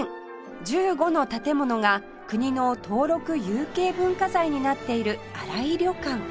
１５の建物が国の登録有形文化財になっている新井旅館